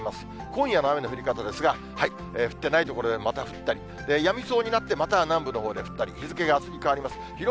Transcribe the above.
今夜の雨の降り方ですが、降ってない所でまた降ったり、で、やみそうになってまた南部のほうで降ったり、日付があすに変わりますと雨。